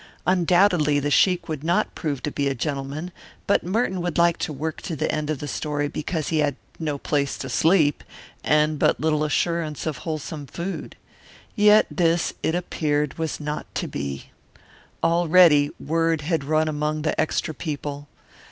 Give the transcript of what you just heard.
Undoubtedly the sheik would not prove to be a gentleman, but Merton would like to work to the end of the story because he had no place to sleep and but little assurance of wholesome food. Yet this, it appeared, was not to be. Already word had run among the extra people.